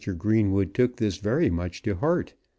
Greenwood took this very much to heart.